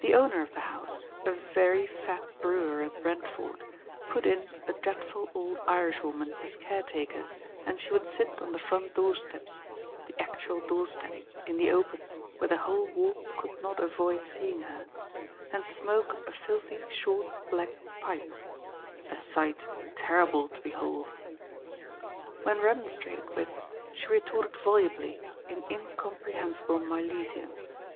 The owner of the house, a very fat brewer at Brentford, put in a dreadful old Irishwoman as caretaker, and she would sit on the front door steps—the actual door steps, in the open, where the whole Walk could not avoid seeing her—and smoke a filthy short black pipe: a sight terrible to behold. When remonstrated with, she retorted volubly in incomprehensible Milesian.